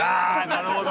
なるほど。